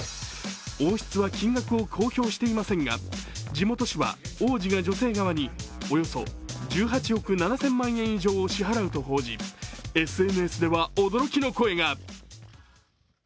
王室は金額を公表していませんが、地元紙は王子が女性側に、およそ１８億７０００万円以上を支払うと報じ、ＳＮＳでは驚きの声が。